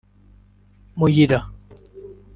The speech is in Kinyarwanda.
Muyira